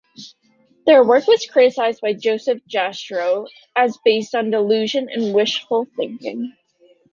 Their work was criticized by Joseph Jastrow as based on delusion and wishful thinking.